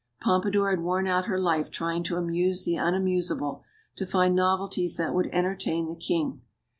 Pompadour had worn out her life trying to "amuse the unamusable," to find novelties that would enter tain the king.